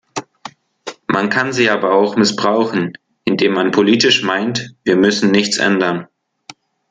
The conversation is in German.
Man kann sie aber auch missbrauchen, indem man politisch meint, wir müssen nichts ändern.